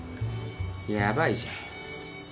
やばいじゃん。